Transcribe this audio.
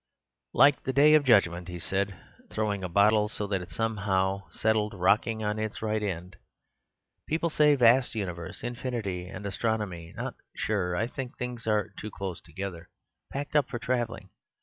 "Like the day of judgement," he said, throwing a bottle so that it somehow settled, rocking on its right end. "People say vast universe... infinity and astronomy; not sure... I think things are too close together... packed up; for travelling...